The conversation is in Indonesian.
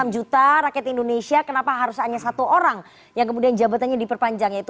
dua ratus tujuh puluh enam juta rakyat indonesia kenapa harus hanya satu orang yang kemudian jabatannya diperpanjang yaitu